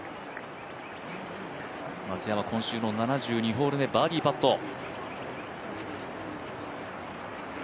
松山、今週の７２ホール目、バーディーパット。